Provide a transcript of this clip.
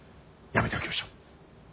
やめておきましょう。